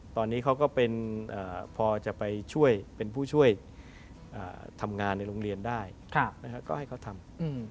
ตอนนี้เขาก็เป็นพอจะไปช่วยเป็นผู้ช่วยทำงานในโรงเรียนได้ก็ให้เขาทำ